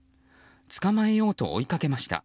捕まえようと追いかけました。